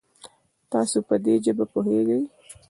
تاسو په دي ژبه پوهږئ؟